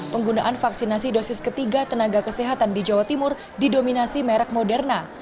penggunaan vaksinasi dosis ketiga tenaga kesehatan di jawa timur didominasi merek moderna